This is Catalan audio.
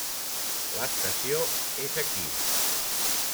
L'estació és aquí.